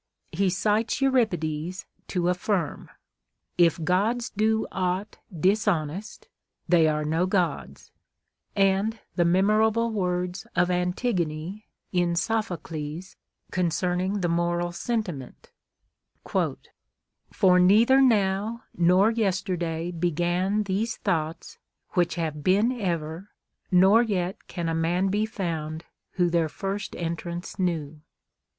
He cites Euripides to affirm, " If gods do aught dishonest, they are no gods," and the memorable words of Antigone, in Sophocles, concerning the moral senti ment :—" For neitlier now nor yesterday began These thoughts, wliich have been ever, nor yet can A man be t'ound who their first entrance knew."